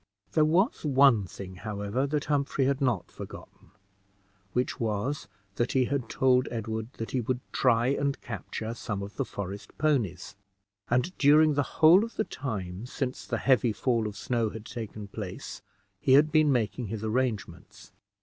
There was one thing, however, that Humphrey had not forgotten, which was, that he had told Edward that he would try and capture some of the forest ponies; and during the whole of the time since the heavy fall of snow had taken place he had been making his arrangements.